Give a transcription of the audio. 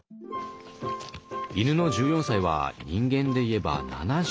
犬の１４歳は人間でいえば７２歳。